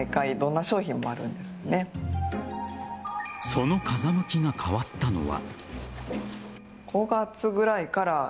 その風向きが変わったのは。